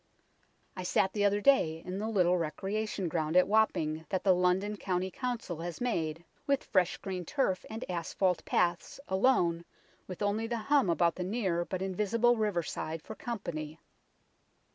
I sat the other day in the little recreation ground at Wapping that the London County Council has made, with fresh green turf and asphalt paths, alone, with only the hum about the near but invisible riverside for company.